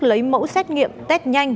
lấy mẫu xét nghiệm test nhanh